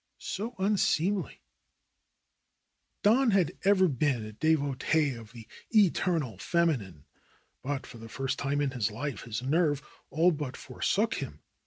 So un seemly ! Don had ever been a devotee to the eternal feminine. But for the first time in his life his nerve all but forsook him.